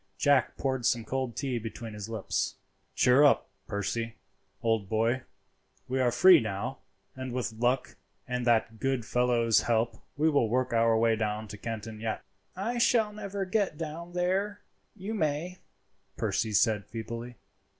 Jack poured some cold tea between his lips. "Cheer up, Percy, old boy, we are free now, and with luck and that good fellow's help we will work our way down to Canton yet." "I shall never get down there; you may," Percy said feebly.